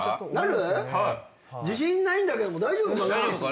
なる⁉自信ないんだけど大丈夫かな？